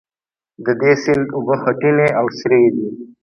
د دې سیند اوبه خټینې او سرې دي.